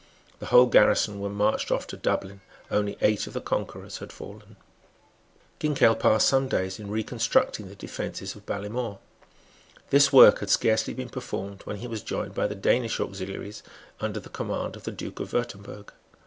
The whole garrison were marched off to Dublin. Only eight of the conquerors had fallen. Ginkell passed some days in reconstructing the defences of Ballymore. This work had scarcely been performed when he was joined by the Danish auxiliaries under the command of the Duke of Wirtemberg.